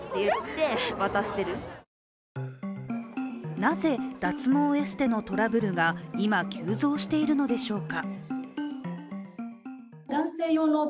なぜ、脱毛エステのトラブルが今、急増しているのでしょうか？